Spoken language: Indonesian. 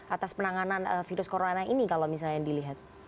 atas penanganan virus corona ini kalau misalnya dilihat